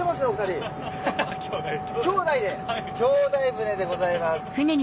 兄弟船でございます。